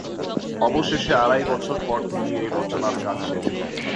অবশেষে আড়াই বছর পর তিনি এই রচনার কাজ শেষ করেন।